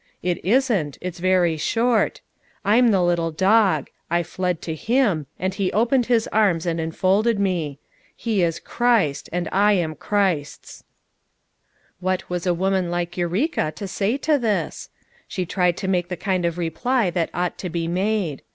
It isn't, it's very short. I'm the little dog; I fled to HIM, and he opened his arms and en folded me. 'He is Christ, and I am Christ's.' " What was a woman like Eureka to say to this ! She tried to make the kind of reply that ought to be made.